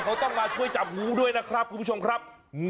เขาต้องมาช่วยจับงูด้วยนะครับคุณผู้ชมครับ